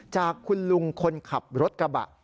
จากคุณลุงคนขับรถกระบะ